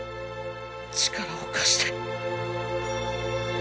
力を貸して。